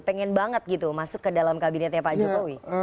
pengen banget gitu masuk ke dalam kabinetnya pak jokowi